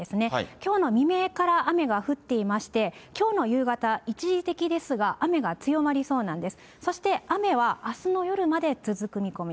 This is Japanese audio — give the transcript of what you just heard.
きょうの未明から雨が降っていまして、きょうの夕方、一時的ですが、雨が強まりそうなんです。